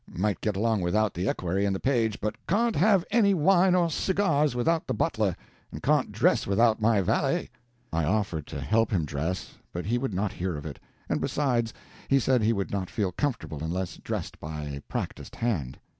Might get along without the equerry and the page, but can't have any wine or cigars without the butler, and can't dress without my valet." I offered to help him dress, but he would not hear of it; and besides, he said he would not feel comfortable unless dressed by a practised hand.